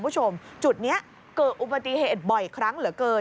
จุดนี้เกิดอุบัติเหตุบ่อยครั้งเหลือเกิน